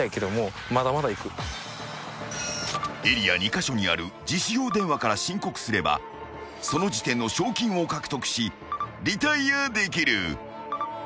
［エリア２カ所にある自首用電話から申告すればその時点の賞金を獲得しリタイアできる］